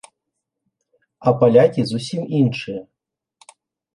А палякі зусім іншыя.